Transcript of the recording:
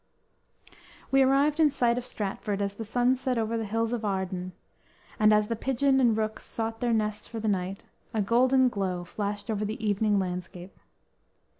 _ We arrived in sight of Stratford as the sun set over the hills of Arden, and as the pigeons and rooks sought their nests for the night, a golden glow flashed over the evening landscape.